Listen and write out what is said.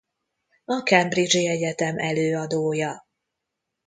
A Cambridge-i Egyetem előadója.